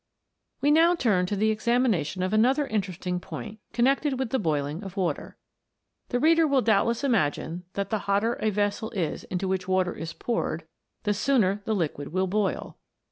We now turn to the examination of another in teresting point connected with the boiling of water. The reader will doubtless imagine that the hotter a vessel is into which water is poured the sooner the liquid will boil.